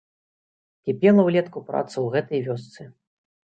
Кіпела ўлетку праца ў гэтай вёсцы.